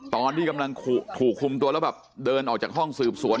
ตอนที่กำลังถูกคุมตัวแล้วแบบเดินออกจากห้องสืบสวน